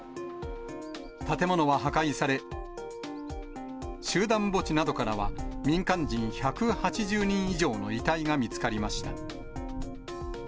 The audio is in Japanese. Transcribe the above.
建物は破壊され、集団墓地などからは民間人１８０人以上の遺体が見つかりました。